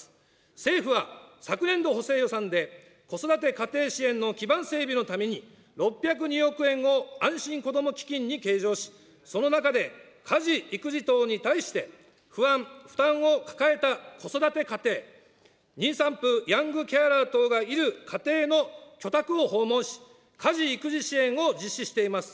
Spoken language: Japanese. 政府は昨年度補正予算で、子育て家庭支援の基盤整備のために、６０２億円を安心こども基金に計上し、その中で家事・育児等に対して不安、負担を抱えた子育て家庭、妊産婦、ヤングケアラー等がいる家庭の居宅を訪問し、家事・育児支援を策定しています。